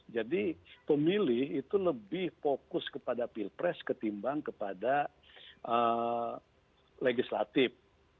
jadi pemilih itu lebih fokus kepada pilpres ketimbang kepada legislatif